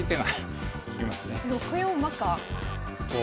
６四馬か。